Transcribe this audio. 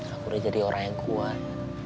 aku udah jadi orang yang kuat